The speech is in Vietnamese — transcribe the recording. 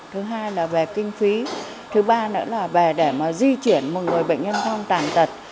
thứ hai là về kinh phí thứ ba nữa là về để mà di chuyển một người bệnh nhân phong tàn tật